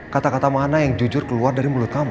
kata kata mana yang jujur keluar dari mulut kamu